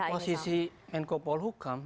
dengan posisi menko paul hukam